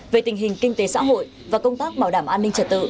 về tình hình kinh tế xã hội và công tác bảo đảm an ninh trật tự